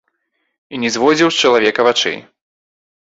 І не зводзіў з чалавека вачэй.